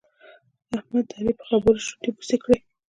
احمد د علي په خبرو شونډې بوڅې کړې.